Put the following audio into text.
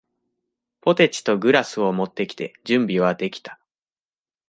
ポテチとグラスを持ってきて、準備はできた。